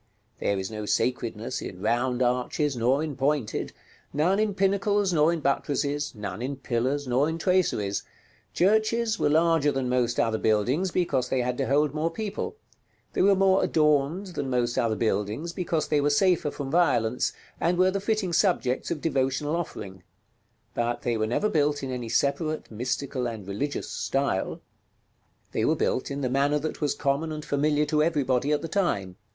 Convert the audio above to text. There is no sacredness in round arches, nor in pointed; none in pinnacles, nor in buttresses; none in pillars, nor in traceries. Churches were larger than most other buildings, because they had to hold more people; they were more adorned than most other buildings, because they were safer from violence, and were the fitting subjects of devotional offering: but they were never built in any separate, mystical, and religious style; they were built in the manner that was common and familiar to everybody at the time.